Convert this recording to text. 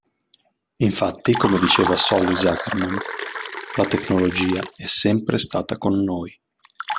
Infatti, come diceva Solly Zuckerman la tecnologia è sempre stata con noi.